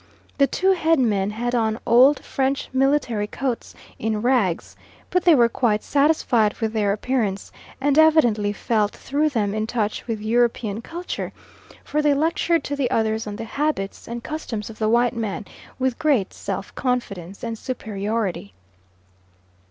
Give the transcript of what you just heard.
The two head men had on old French military coats in rags; but they were quite satisfied with their appearance, and evidently felt through them in touch with European culture, for they lectured to the others on the habits and customs of the white man with great self confidence and superiority.